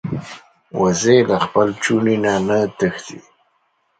وزې له خپل چوڼي نه نه تښتي